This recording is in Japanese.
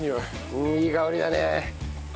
うんいい香りだね！